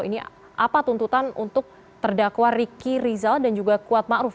ini apa tuntutan untuk terdakwa riki rizal dan juga kuat ma'ruf